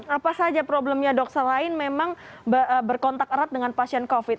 apa saja problemnya dok selain memang berkontak erat dengan pasien covid